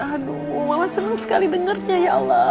aduh mama senang sekali dengarnya ya allah